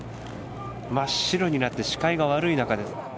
真っ白になって視界が悪い中で。